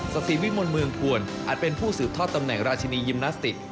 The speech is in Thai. สติวิมลเมืองควรอาจเป็นผู้สืบทอดตำแหน่งราชินียิมนาสติก